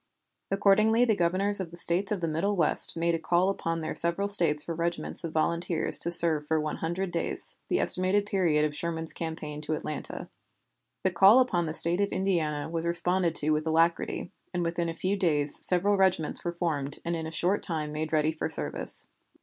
Accordingly the Governors of the States of the Middle West made a call upon their several States for regiments of volunteers to serve for one hundred days, the estimated period of Sherman's campaign to Atlanta. The call upon the State of Indiana was responded to with alacrity, and within a few days several regiments were formed and in a short time made ready for service.